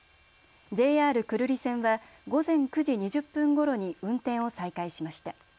ＪＲ久留里線は午前９時２０分ごろに運転を再開しました。